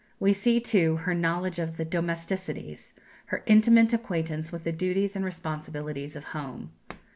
We see, too, her knowledge of the domesticities, her intimate acquaintance with the duties and responsibilities of home.